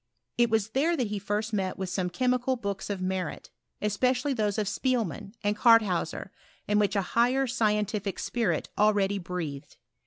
It was there that he first met with some chemical books of merit, es pecially those of Spiebnan, and Cartheuaer, in which a higher scientific spirit already breathed.